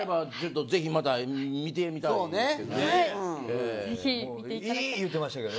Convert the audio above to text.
ぜひまた見てみたいですけど。